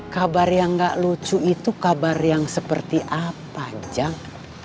kabar yang gak lucu itu kabar yang seperti apa jak